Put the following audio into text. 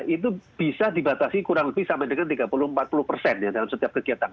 itu bisa dibatasi kurang lebih sampai dengan tiga puluh empat puluh persen ya dalam setiap kegiatan